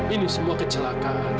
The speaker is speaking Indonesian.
ini semua kecelakaan